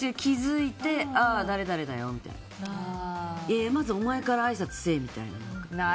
いやいや、まずお前からあいさつしろよみたいな。